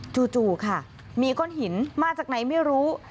จู่ค่ะมีก้อนหินมาจากไหนไม่รู้